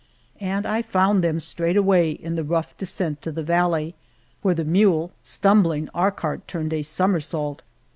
And I found them straightway in the rough descent to the valley, where the mule stumbling, our cart turned a somersault.